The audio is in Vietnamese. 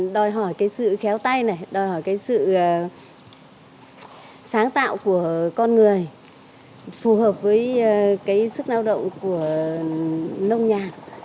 đòi hỏi sự khéo tay đòi hỏi sự sáng tạo của con người phù hợp với sức lao động của nông nhà